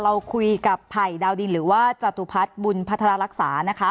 เราคุยกับไผ่ดาวดินหรือว่าจตุพัฒน์บุญพัฒนารักษานะคะ